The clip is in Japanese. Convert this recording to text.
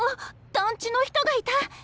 団地の人がいた！